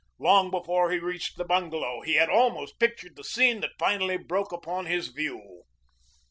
Long before he reached the bungalow, he had almost pictured the scene that finally broke upon his view.